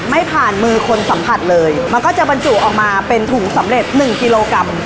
ไม่ผ่านมือคนสัมผัสเลยมันก็จะบรรจุออกมาเป็นถุงสำเร็จ๑กิโลกรัม